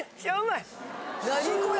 何これ！